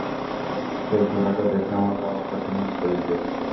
সেই ঘোড়াটা দেখে আমার বাবার কথা মনে পড়ে গিয়েছিল।